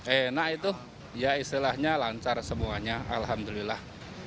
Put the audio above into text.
enak itu ya istilahnya lancar semuanya alhamdulillah